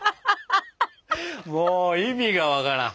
もう意味が分からん。